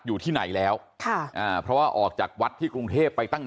อยู่ที่ไหนแล้วค่ะอ่าเพราะว่าออกจากวัดที่กรุงเทพไปตั้ง